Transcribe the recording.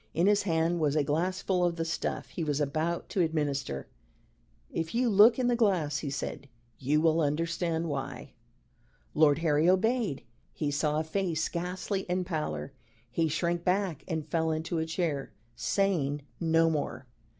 In his hand was a glass full of the stuff he was about to administer. "If you look in the glass," he said, "you will understand why." Lord Harry obeyed. He saw a face ghastly in pallor: he shrank back and fell into a chair, saying no more.